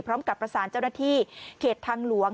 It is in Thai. พร้อมกับประสานเจ้าหน้าที่เขตทางหลวง